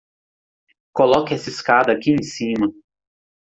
Coloque essa escada aqui em cima.